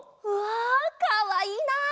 うわかわいいな！